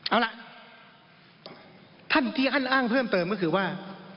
เอาล่ะท่านที่ท่านอ้างเพิ่มเติมก็คือว่า